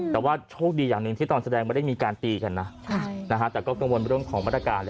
แต่ว่าโชคดีอย่างหนึ่งที่ตอนแสดงไม่ได้มีการตีกันนะแต่ก็กังวลเรื่องของมาตรการ